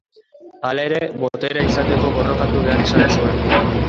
Hala ere, boterea izateko borrokatu behar izan zuen.